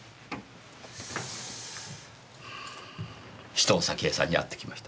紫藤咲江さんに会ってきました。